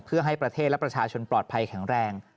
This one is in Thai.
เพื่อให้ประเทศและประชาชนปลอดภัยแข็งแรง